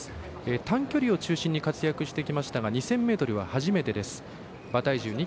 短距離を中心に活躍してきましたが２０００ｍは初めてです。